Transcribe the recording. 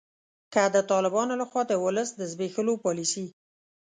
که د طالبانو لخوا د ولس د زبیښولو پالسي